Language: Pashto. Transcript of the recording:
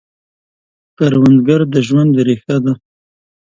کروندګر د ژوند ریښه ده